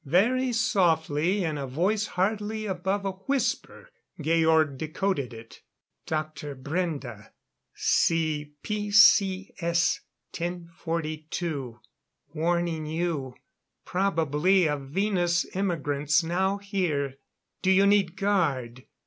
Very softly, in a voice hardly above a whisper, Georg decoded it. _"Dr. Brende, see P.C.S. 10.42, warning you, probably of Venus immigrants now here. Do you need guard?